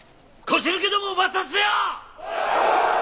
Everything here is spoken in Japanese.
腰抜けどもを抹殺せよ！